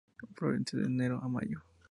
Florece de enero a mayo.